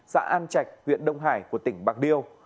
xã an trạch huyện đông hải của tỉnh bạc liêu